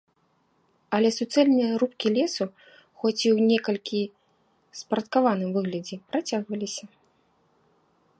Але суцэльныя рубкі лесу, хоць і ў некалькі спарадкаваным выглядзе, працягваліся.